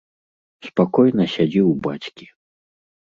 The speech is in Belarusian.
Спакойна сядзі ў бацькі.